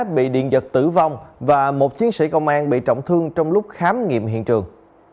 bị điện giật tử vong và một chiến sĩ công an bị trọng thương trong lúc khám nghiệm hiện trường